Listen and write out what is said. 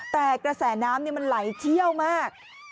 แต่กระแสน้ำมันไหลเชี่ยวมาก